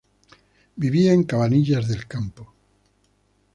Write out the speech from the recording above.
Vivía en Cabanillas del Campo.